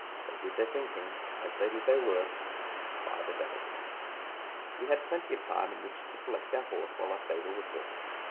They did their thinking, as they did their work, by the day. [Illustration: 77] We had plenty of time in which to select our horse while our stable was building.